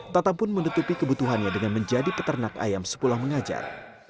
tata pun menutupi kebutuhannya dengan menjadi peternak ayam sepulang mengajar